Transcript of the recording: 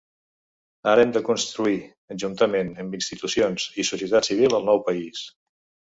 Ara hem de construir juntament amb institucions i societat civil el nou país.